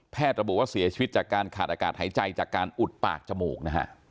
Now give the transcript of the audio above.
ระบุว่าเสียชีวิตจากการขาดอากาศหายใจจากการอุดปากจมูกนะฮะ